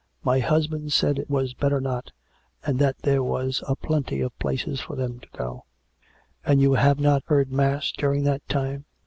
My husband said it was better not, and that there was a plenty of places for them to go to." " And you have not heard mass during that time